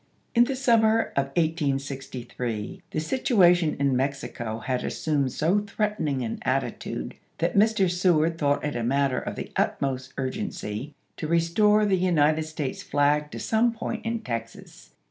In the summer of 1863 the situation in Mexico had assumed so threatening an attitude that Mr. Seward thought it a matter of the utmost urgency to restore the United States flag to some point in Texas.